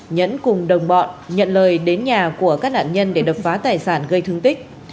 nhẫn cùng đồng bọn nhận lời đến nhà của các nạn nhân để đập phá tài sản gây thương tích